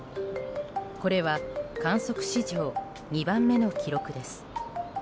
これは観測史上２番目の記録です。